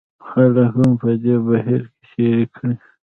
خلک هم په دې بهیر کې شریک کړي.